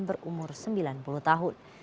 berumur sembilan puluh tahun